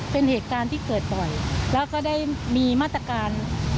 เป็นเหตุการณ์ที่เกิดบ่อยแล้วก็ได้มีมาตรการ